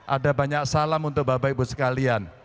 ada banyak salam untuk bapak ibu sekalian